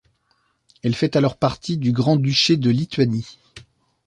Elle fait alors partie du Grand Duché de Lituanie.